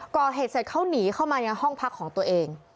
ก่อเหตุเสร็จเขาหนีเข้ามายังห้องพักของตัวเอง